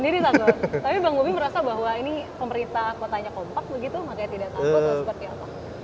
tapi bang bobby merasa bahwa ini pemerintah kotanya kompak begitu makanya tidak terpaksa